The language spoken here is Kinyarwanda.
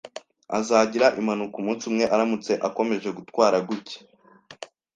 Azagira impanuka umunsi umwe aramutse akomeje gutwara gutya